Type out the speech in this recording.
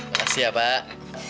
makasih ya pak